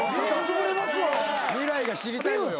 未来が知りたいのよ。